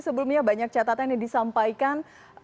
sebelumnya banyak catatan yang disampaikan